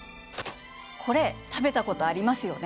これ食べたことありますよね？